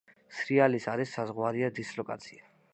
სრიალის არის საზღვარია დისლოკაცია.